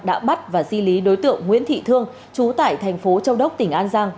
đã bắt và di lý đối tượng nguyễn thị thương chú tại thành phố châu đốc tỉnh an giang